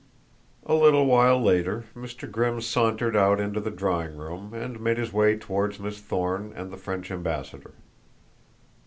A little while later Mr. Grimm sauntered out into the drawing room and made his way toward Miss Thorne and the French ambassador.